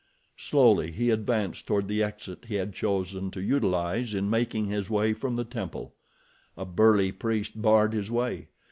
Slowly he advanced toward the exit he had chosen to utilize in making his way from the temple. A burly priest barred his way.